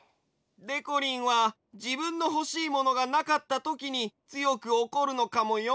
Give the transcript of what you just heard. でこりんはじぶんのほしいものがなかったときにつよくおこるのかもよ。